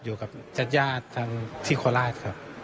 อยู่กับจัดญาติที่ครัฐครับ